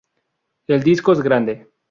El disco es grande.